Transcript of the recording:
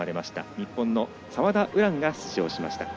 日本の澤田優蘭が出場しました。